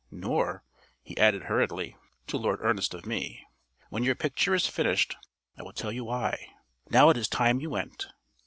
Nor," he added hurriedly, "to Lord Ernest of me. When your picture is finished I will tell you why. Now it is time you went."